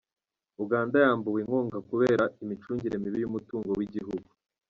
Uganda yambuwe inkunga kubera imicungire mibi y’umutungo wigihugu